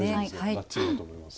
バッチリだと思います。